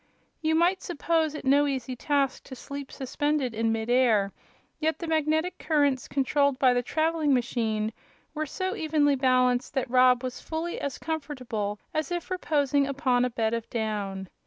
You might suppose it no easy task to sleep suspended in mid air, yet the magnetic currents controlled by the traveling machine were so evenly balanced that Rob was fully as comfortable as if reposing upon a bed of down.